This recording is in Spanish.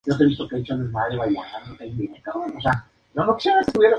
Incluso se hacen exportaciones a los Estados Unidos y Haití.